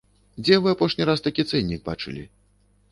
Дзе вы апошні раз такі цэннік бачылі?